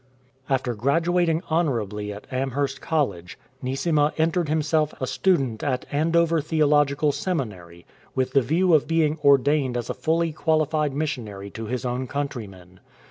After graduating honourably at Amherst College, Neesima entered himself a student at Andover Theological Seminary, with the view of being ordained as a fully qualified missionary to his own countrymen.